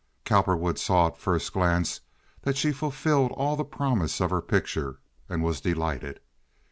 Cowperwood saw at first glance that she fulfilled all the promise of her picture, and was delighted.